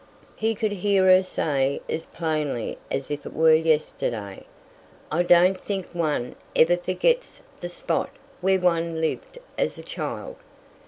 He could hear her say as plainly as if it were yesterday, "I don't think one ever forgets the spot where one lived as a child."